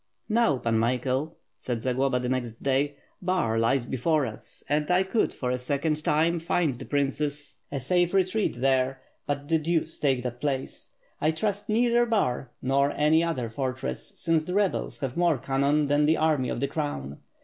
"Now, Pan Michael," said Zagloba, the next day, "Bar lies before us, and I could for the second time find the princess 568 ^^'^^ ^'^R^ ^^^ BWORD. a safe retreat there, but the deuce take that place. I trust neither Bar nor any other fortress since the rebels have more cannon than the army of the Crown.